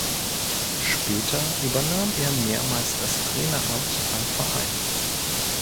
Später übernahm er mehrmals das Traineramt beim Verein.